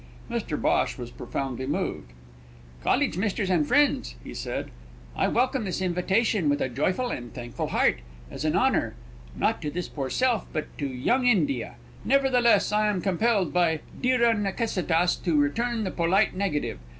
Mr Bhosh was profoundly moved: "College misters and friends," he said, "I welcome this invitation with a joyful and thankful heart, as an honour not to this poor self, but to Young India. Nevertheless, I am compelled by Dira Necessitas to return the polite negative.